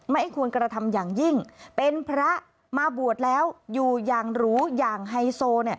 ไม่ควรกระทำอย่างยิ่งเป็นพระมาบวชแล้วอยู่อย่างหรูอย่างไฮโซ